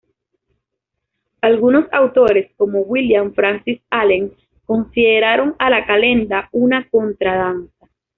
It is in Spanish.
Algunos autores, como William Francis Allen, consideraron a la "calenda" una contradanza.